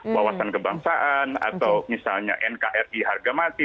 wawasan kebangsaan atau misalnya nkri harga mati